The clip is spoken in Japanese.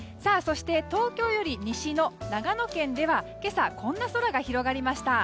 東京より西の長野県では、今朝こんな空が広がりました。